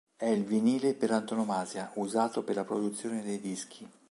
È il "vinile" per antonomasia usato per la produzione dei dischi.